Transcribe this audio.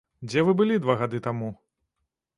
Дзе вы былі два гады таму?